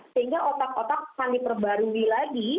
sehingga otak otak akan diperbarui lagi